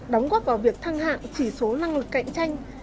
đóng góp vào việc thăng hạng chỉ số năng lực cạnh tranh